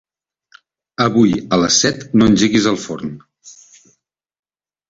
Avui a les set no engeguis el forn.